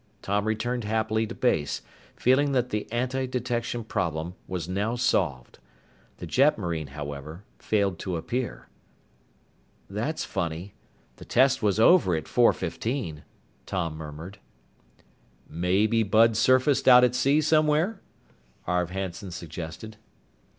Tom returned happily to base, feeling that the antidetection problem was now solved. The jetmarine, however, failed to appear. "That's funny. The test was over at four fifteen," Tom murmured. "Maybe Bud surfaced out at sea somewhere," Arv Hanson suggested.